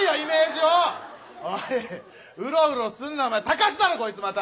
おいウロウロすんなお前タカシだろこいつまた。